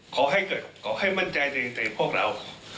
ขอให้เกิดขอให้มั่นใจในพวกเรา